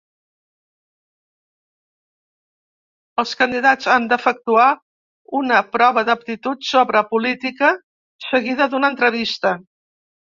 Els candidats han d'efectuar una prova d'aptitud sobre política, seguida d'una entrevista.